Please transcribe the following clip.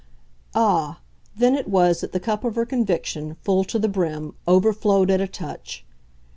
Ah, then it was that the cup of her conviction, full to the brim, overflowed at a touch!